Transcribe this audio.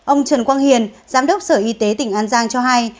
ông trần quang hiền giám đốc sở y tế tỉnh an giang cho hay